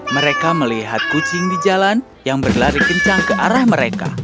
mereka melihat kucing di jalan yang berlari kencang ke arah mereka